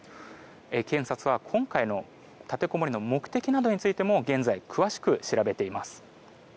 警察は今回の立てこもりの目的などについても現在、詳しく調べています。